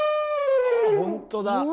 ほんとだ！